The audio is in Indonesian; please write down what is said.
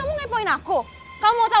rute belas kota